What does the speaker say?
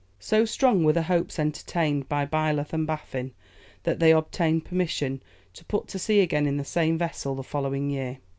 So strong were the hopes entertained by Byleth and Baffin, that they obtained permission to put to sea again in the same vessel the following year.